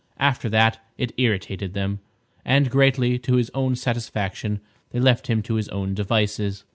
After that, it irritated them, and, greatly to his own satisfaction, they left him to his own devices.